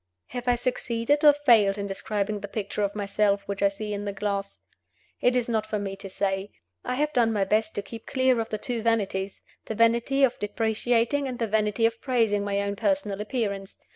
Have I succeeded or failed in describing the picture of myself which I see in the glass? It is not for me to say. I have done my best to keep clear of the two vanities the vanity of depreciating and the vanity of praising my own personal appearance.